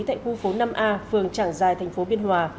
tại khu phố năm a phường trảng giài thành phố biên hòa